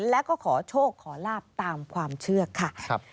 แล้วก็ขอโชคขอลาบตามความเชื่อค่ะ